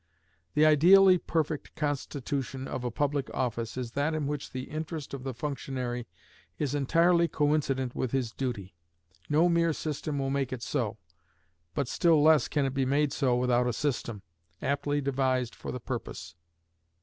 The ideally perfect constitution of a public office is that in which the interest of the functionary is entirely coincident with his duty. No mere system will make it so, but still less can it be made so without a system, aptly devised for the purpose.